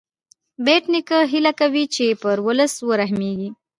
بېټ نیکه هیله کوي چې پر ولس ورحمېږې.